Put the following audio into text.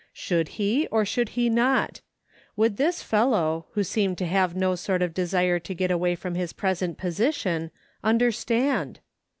Should he, or should he not ? Would this fellow, who seemed to. have no sort of desire to get away from his present position, understand